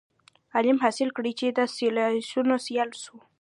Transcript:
علم حاصل کړی چي د سیالانو سیال سو.